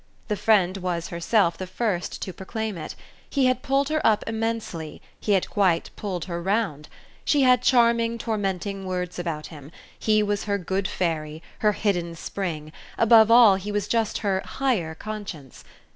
The friend was herself the first to proclaim it: he had pulled her up immensely he had quite pulled her round. She had charming tormenting words about him: he was her good fairy, her hidden spring above all he was just her "higher" conscience.